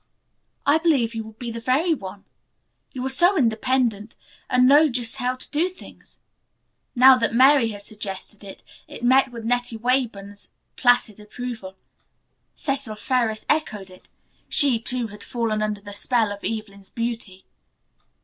"I believe you would be the very one. You are so independent and know just how to do things." Now that Mary had suggested it, it met with Nettie Weyburn's placid approval. Cecil Ferris echoed it. She, too, had fallen under the spell of Evelyn's beauty.